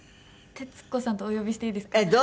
「徹子さん」とお呼びしていいですか？